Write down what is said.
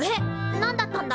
何だったんだ？